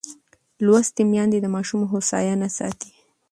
لوستې میندې د ماشوم هوساینه ساتي.